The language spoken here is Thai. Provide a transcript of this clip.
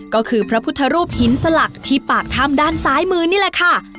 ก็คือพระพุทธรูปหินสลักที่ปากถ้ำด้านซ้ายมือนี่แหละค่ะ